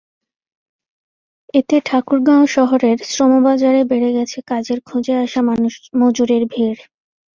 এতে ঠাকুরগাঁও শহরের শ্রমবাজারে বেড়ে গেছে কাজের খোঁজে আসা মজুরের ভিড়।